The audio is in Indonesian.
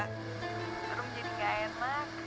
rum jadi gak enak